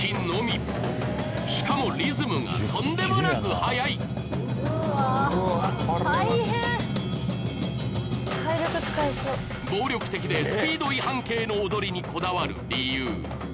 しかもリズムがとんでもなく速いうわ大変うわこれは系の踊りにこだわる理由